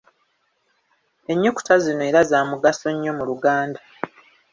Ennyukuta zino era za mugaso nnyo mu Luganda.